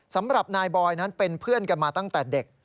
สำหรับนายบอยนั้นเป็นเพื่อนกันมาตั้งแต่เด็ก